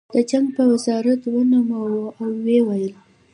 د جنګ په وزارت ونوموه او ویې ویل